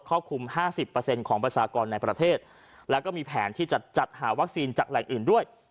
คุม๕๐ของประชากรในประเทศแล้วก็มีแผนที่จะจัดหาวัคซีนจากแหล่งอื่นด้วย